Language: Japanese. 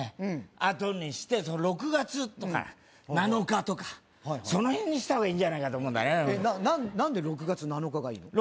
あとにして６月とか７日とかそのへんにした方がいい何で６月７日がいいの？